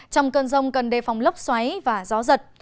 trong cơn rông cần đề phòng lốc xoáy và gió giật